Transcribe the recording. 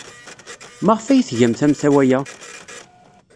Maɣef ay tgamt amtawa-a?